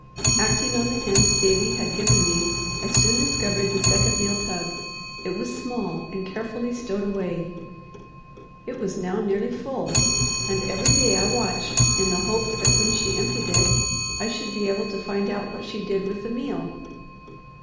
Acting on the hint Davie had given me, I soon discovered the second meal tub. It was small, and carefully stowed away. It was now nearly full, and every day I watched in the hope that when she emptied it, I should be able to find out what she did with the meal.